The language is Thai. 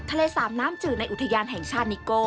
สามน้ำจืดในอุทยานแห่งชาตินิโก